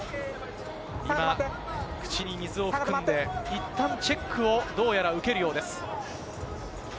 今、口に水を含んで、いったんチェックをどうやら受けるようです。